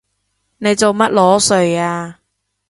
你做乜裸睡啊？